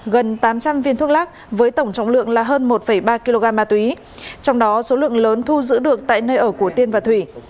gần tám trăm linh viên thuốc lắc với tổng trọng lượng là hơn một ba kg ma túy trong đó số lượng lớn thu giữ được tại nơi ở của tiên và thủy